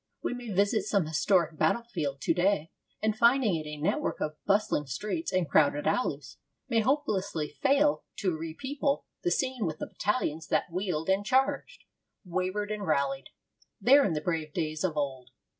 We may visit some historic battle field to day, and, finding it a network of bustling streets and crowded alleys, may hopelessly fail to repeople the scene with the battalions that wheeled and charged, wavered and rallied, there in the brave days of old.